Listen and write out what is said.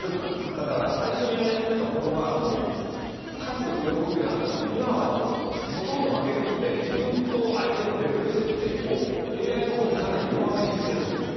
だから最初にやり始めた頃はもう勝つ喜びがあったんですけど今はもうほとんど負けるので自分と相手のレベル設定をＡＩのほうをかなり弱めにしてやってるんです。